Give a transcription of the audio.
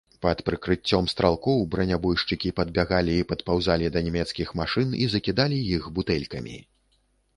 Пад прыкрыццем стралкоў бранябойшчыкі падбягалі і падпаўзалі да нямецкіх машын і закідалі іх бутэлькамі.